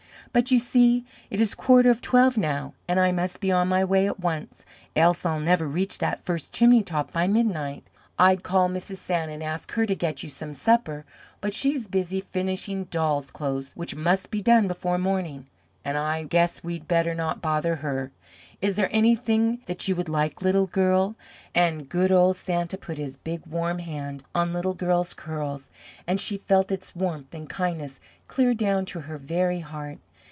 But you see it is quarter of twelve now, and I must be on my way at once, else I'll never reach that first chimney top by midnight. I'd call Mrs. Santa and ask her to get you some supper, but she is busy finishing dolls' clothes which must be done before morning, and I guess we'd better not bother her. Is there anything that you would like, Little Girl?" and good old Santa put his big warm hand on Little Girl's curls and she felt its warmth and kindness clear down to her very heart.